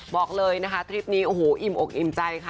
บอกเลยนะคะทริปนี้โอ้โหอิ่มอกอิ่มใจค่ะ